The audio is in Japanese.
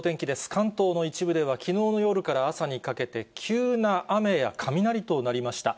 関東の一部では、きのうの夜から朝にかけて、急な雨や雷となりました。